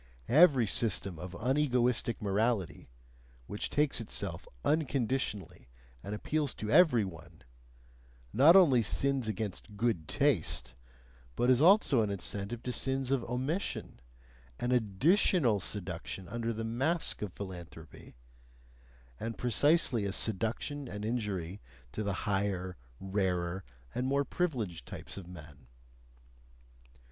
Every system of unegoistic morality which takes itself unconditionally and appeals to every one, not only sins against good taste, but is also an incentive to sins of omission, an ADDITIONAL seduction under the mask of philanthropy and precisely a seduction and injury to the higher, rarer, and more privileged types of men.